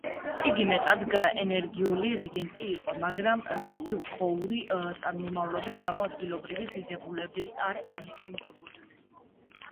იგი მეტად ენერგიული რეგენტი იყო, მაგრამ მისი უცხოური წარმომავლობის გამო, ადგილობრივი დიდებულები არ ენდობოდნენ.